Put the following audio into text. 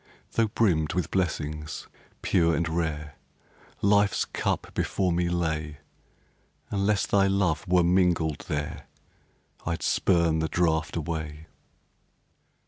Tho' brimmed with blessings, pure and rare, Life's cup before me lay, Unless thy love were mingled there, I'd spurn the draft away.